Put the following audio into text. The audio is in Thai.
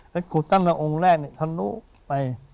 แล้วกุฏตั้งแต่องแรกนะฮะทำลู้ไป